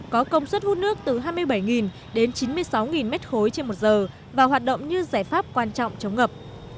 có công suất hút nước từ hai mươi bảy đến chín mươi sáu m ba trên một giờ và hoạt động như giải pháp quan trọng chống ngập